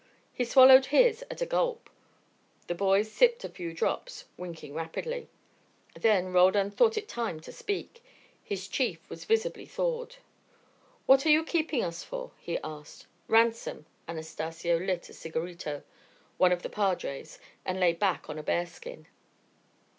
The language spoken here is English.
He swallowed his at a gulp. The boys sipped a few drops, winking rapidly. Then Roldan thought it time to speak: his chief was visibly thawed. "What are you keeping us for?" he asked. "Ransom." Anastacio lit a cigarrito one of the padre's and lay back on a bearskin.